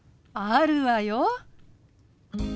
あるわよ。